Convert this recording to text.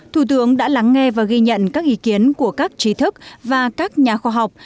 thủ tướng đã lắng nghe và ghi nhận các ý kiến của các trí thức và các nhà khoa học